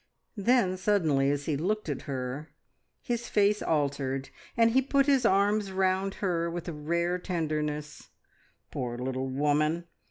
Then suddenly, as he looked at her, his face altered, and he put his arms round her with a rare tenderness. "Poor little woman!